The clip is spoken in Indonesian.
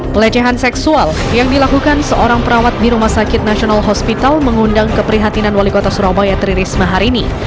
pelecehan seksual yang dilakukan seorang perawat di rumah sakit nasional hospital mengundang keprihatinan wali kota surabaya tri risma hari ini